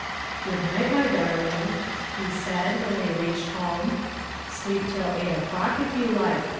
"Good night, my darling," he said when they reached home. "Sleep till eight o'clock if you like.